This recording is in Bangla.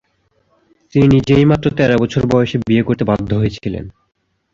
তিনি নিজেই মাত্র তেরো বছর বয়সে বিয়ে করতে বাধ্য হয়েছিলেন।